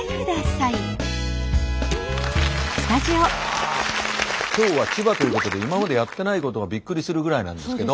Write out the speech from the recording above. いや今日は千葉ということで今までやってないことがびっくりするぐらいなんですけど。